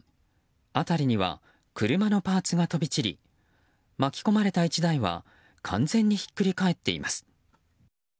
辺りには車のパーツが飛び散り巻き込まれた１台は完全にひっくり返っています。